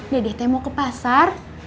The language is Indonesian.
dede teh mau ke pasar